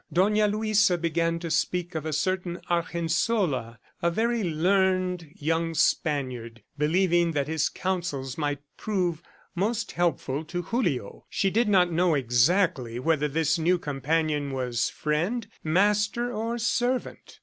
Dona Luisa began to speak of a certain Argensola, a very learned young Spaniard, believing that his counsels might prove most helpful to Julio. She did not know exactly whether this new companion was friend, master or servant.